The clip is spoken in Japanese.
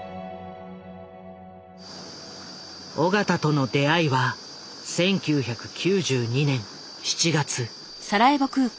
緒方との出会いは１９９２年７月。